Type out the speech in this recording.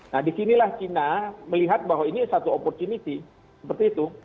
nah disinilah china melihat bahwa ini satu opportunity seperti itu